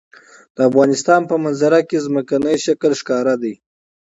د افغانستان په منظره کې ځمکنی شکل ښکاره ده.